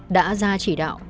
đã ra chỉ đạo